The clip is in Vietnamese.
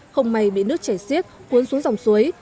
không may bị nước chảy xiết cuốn xuống dòng suối